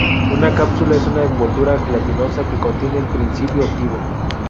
Una cápsula es una envoltura gelatinosa que contiene el principio activo.